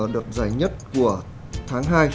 đợt dài nhất của tháng hai